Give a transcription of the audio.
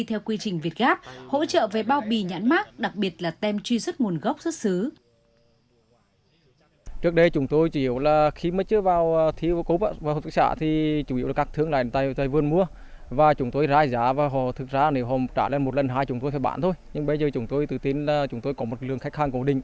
theo quy trình việt gáp hỗ trợ về bao bì nhãn mát đặc biệt là tem truy xuất nguồn gốc xuất xứ